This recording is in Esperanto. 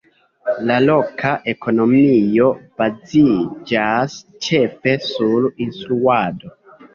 La loka ekonomio baziĝas ĉefe sur instruado.